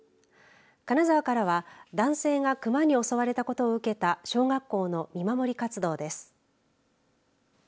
金沢からは男性がクマに襲われたことを受けた小学校の見守り活動です。